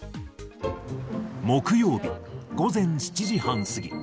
木曜日午前７時半過ぎ。